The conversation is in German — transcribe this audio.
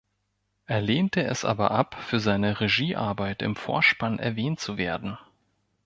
Er lehnte es aber ab, für seine Regiearbeit im Vorspann erwähnt zu werden.